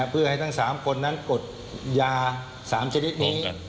เพื่อให้ทั้ง๓คนนั้นกดยา๓ชนิดนี้